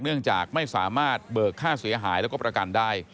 เนื่องจากไม่สามารถเบิกค่าเสียหายแล้วก็ประกันได้